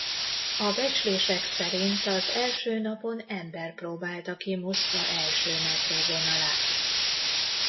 A becslések szerint az első napon ember próbálta ki Moszkva első metróvonalát.